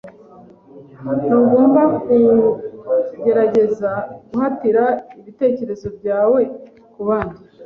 Ntugomba kugerageza guhatira ibitekerezo byawe kubandi.